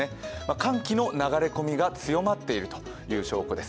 寒気の流れ込みが強まっている証拠です。